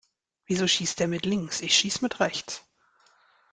Wieso schießt der mit links? Ich schieß mit rechts.